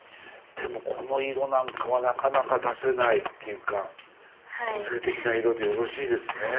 この色なんかはなかなか出せないっていうか個性的な色でよろしいですね。